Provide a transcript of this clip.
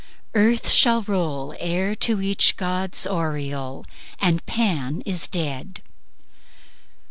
earth shall roll Heir to each god's aureole, And Pan is dead.